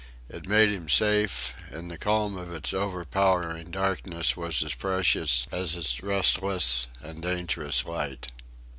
It made him safe, and the calm of its overpowering darkness was as precious as its restless and dangerous light.